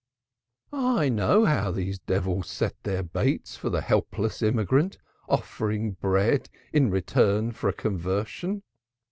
I know how these devils set their baits for the helpless immigrant, offering bread in return for a lip conversion.